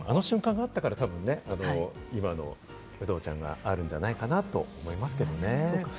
あの瞬間があったから、今の有働ちゃんがあるんじゃないかなと思いますけどね。